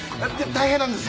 大変なんです！